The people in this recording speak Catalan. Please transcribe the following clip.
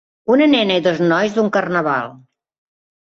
Una nena i dos nois d'un carnaval.